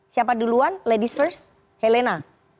siapa duluan ladies first helena